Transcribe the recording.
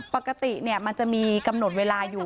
ปกติมันจะมีกำหนดเวลาอยู่